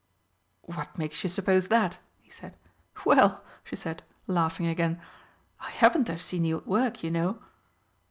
"What makes you suppose that?" he said. "Well," she said, laughing again, "I happen to have seen you at work, you know."